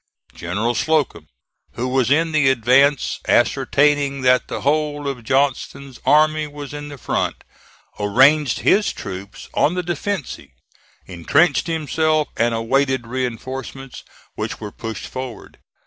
General Slocum, who was in the advance ascertaining that the whole of Johnston's army was in the front, arranged his troops on the defensive, intrenched himself and awaited reinforcements, which were pushed forward.